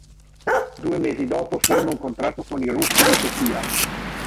Due mesi dopo firma un contratto con i "Rossi" di Sofia.